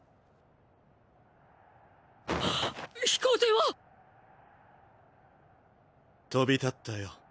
飛行艇は⁉飛び立ったよ。